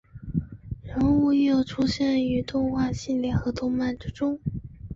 人物亦有出现于动画系列和漫画之中。